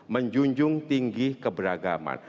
menjunjung tinggi keberagaman